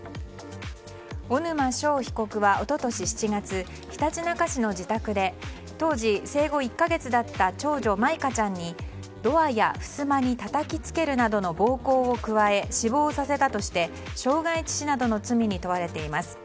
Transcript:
小沼勝被告は一昨年７月ひたちなか市の自宅で当時生後１か月だった長女・舞香ちゃんにドアやふすまにたたきつけるなどの暴行を加え死亡させたとして傷害致死などの罪に問われています。